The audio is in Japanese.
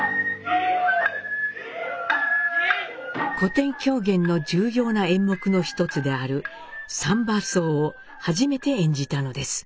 古典狂言の重要な演目の一つである「三番叟」を初めて演じたのです。